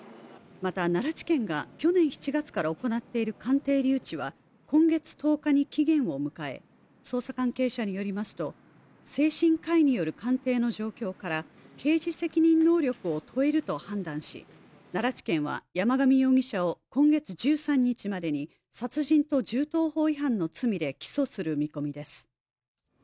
また奈良地検が去年７月から行っている鑑定留置は今月１０日に期限を迎え、捜査関係者によりますと、精神科医による鑑定の状況から刑事責任能力を問えると判断し奈良地検は山上容疑者を今月１３日までに殺人と銃刀法違反の罪で起訴する見込みです。